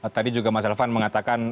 tadi juga mas elvan mengatakan